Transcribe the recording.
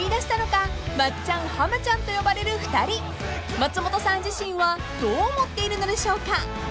［松本さん自身はどう思っているのでしょうか？］